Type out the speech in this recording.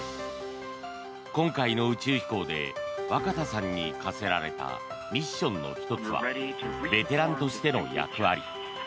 今回の宇宙飛行で若田さんに課せられたミッションの１つはベテランとしての役割。